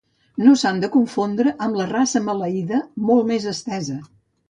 No s'han de confondre amb la raça malaia molt més estesa.